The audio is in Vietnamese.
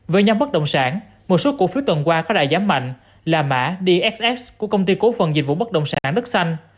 về nhóm bất động sản một số cổ phiếu tuần qua có đại giám mạnh là mã dxx của công ty cố phận dịch vụ bất động sản đất xanh